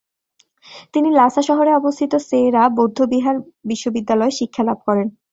তিনি লাসা শহরে অবস্থিত সে-রা বৌদ্ধবহার বিশ্ববিদ্যালয়ে শিক্ষালাভ করেন।